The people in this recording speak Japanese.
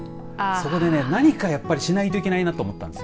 そこでね何かしないいけないなと思ったんです。